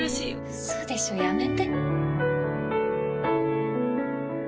ウソでしょ？やめて。